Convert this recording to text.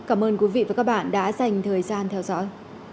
cảm ơn quý vị và các bạn đã dành thời gian theo dõi